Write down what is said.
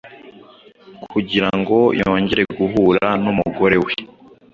Kugira ngo yongere guhura n’umugore we,